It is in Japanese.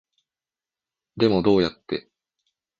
でもどうやって